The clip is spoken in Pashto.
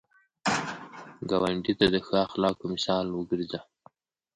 ګاونډي ته د ښه اخلاقو مثال وګرځه